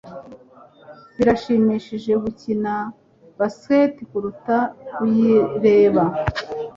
Birashimishije gukina baseball kuruta kuyireba.